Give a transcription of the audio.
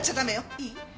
いい？